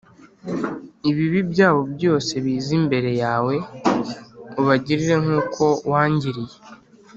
“Ibibi byabo byose bize imbere yawe, Ubagirire nk’uko wangiriye,